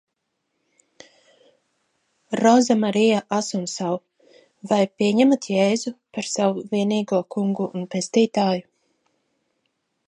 Roza Marija Asunsau, Vai pieņemat Jēzu par savu vienīgo kungu un pestītāju?